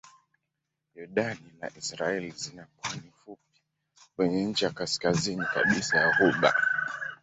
Yordani na Israel zina pwani fupi kwenye ncha ya kaskazini kabisa ya ghuba.